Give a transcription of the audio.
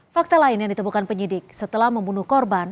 fakta lain yang ditemukan penyidik setelah membunuh korban